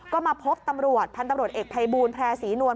ก็มาพบตำรวจพันธุ์ตำรวจเอกภัยบูลแพร่ศรีนวล